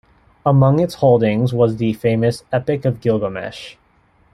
Among its holdings was the famous "Epic of Gilgamesh".